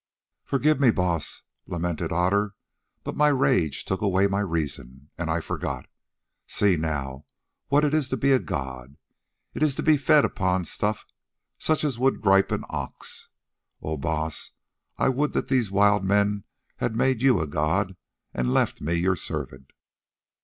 "Forgive me, Baas," lamented Otter, "but my rage took away my reason, and I forgot. See now what it is to be a god. It is to be fed upon stuff such as would gripe an ox. Oh, Baas, I would that these wild men had made you a god and left me your servant!"